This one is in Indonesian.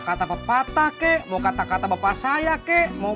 kok tuh temen temen